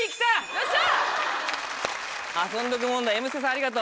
よっしゃ！